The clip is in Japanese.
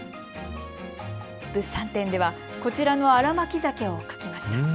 物産展では、こちらの新巻ざけを描きました。